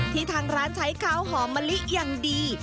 ทางร้านใช้ข้าวหอมมะลิอย่างดี